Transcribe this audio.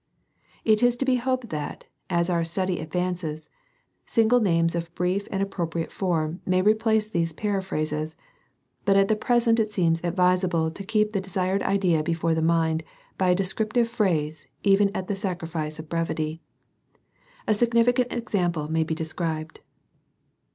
It is to be hoped that, as our study advances, single names of brief and appropriate form may replace these paraphrases ; but at present it seems advisable to keep the desired idea before the mind by a descriptive phrase, even at the sacrifice of brevity. A significant example may be described.